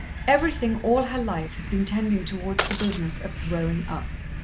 Everything all her life had been tending towards the business of "growing up."